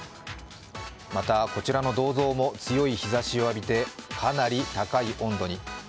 また、こちらの銅像も強い日ざしを浴びてかなりの高温に。